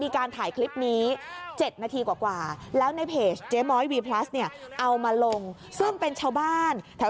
ขาจินก็ลำบากกันอยู่แล้วยังจะมารีดถ่ายกันอีก